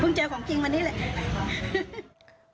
พึ่งเจอของจริงวันนี้เลย